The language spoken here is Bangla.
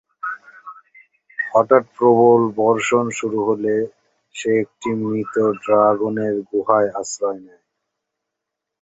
হঠাৎ প্রবল বর্ষণ শুরু হলে সে একটি মৃত ড্রাগনের গুহায় আশ্রয় নেয়।